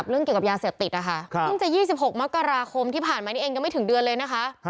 พึ่งจะ๒๖มกราคมที่ผ่านมานี่เองก็ไม่ถึงเดือนเลยนะคะ